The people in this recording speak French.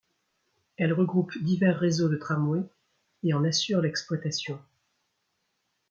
Elle regroupe divers réseaux de tramways et en assure l'exploitation.